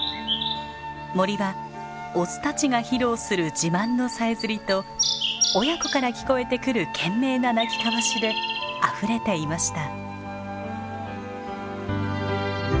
森はオスたちが披露する自慢のさえずりと親子から聞こえてくる懸命な鳴き交わしであふれていました。